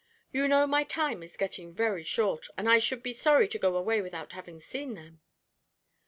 You know my time is getting very short, and I should be sorry to go away without having seen them."